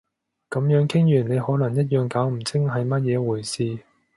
噉樣傾完你可能一樣搞唔清係乜嘢回事